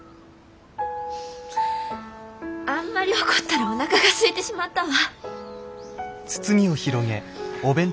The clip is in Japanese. あんまり怒ったらおなかがすいてしまったわ。